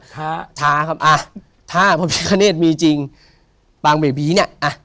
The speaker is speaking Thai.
ค้าท้าครับอ่ะถ้าพระพิคเนธมีจริงปางเบบีเนี่ยอ่ะ